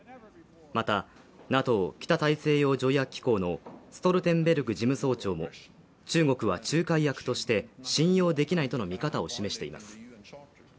また、ＮＡＴＯ＝北大西洋条約機構のストルテンベルグ事務総長も中国は仲介役として信用できないとの見方を示しています。